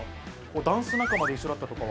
ダンス仲間で一緒だったとかは。